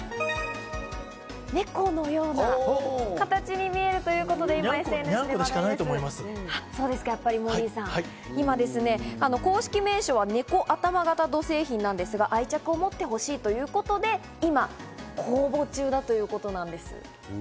ねこのような形に見えるということで、今、公式名称はねこ頭形土製品なんですが、愛着を持ってほしいということで今、公募中だということなんです。